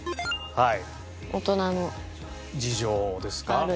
はい。